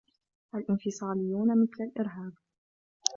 الإنفصاليون مثل الإرهاب.